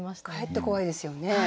かえって怖いですよね。